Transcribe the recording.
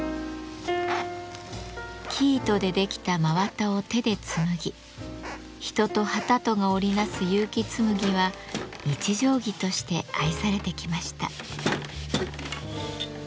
生糸で出来た真綿を手で紡ぎ人と機とが織り成す結城紬は日常着として愛されてきました。